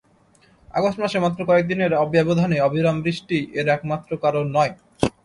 August মাসে মাত্র কয়েক দিনের ব্যবধানে অবিরাম বৃষ্টিই এর একমাত্র কারণ নয়।